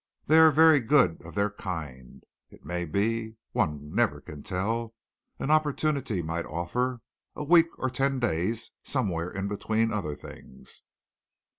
They are very good of their kind. It may be one never can tell an opportunity might offer a week or ten days, somewhere in between other things."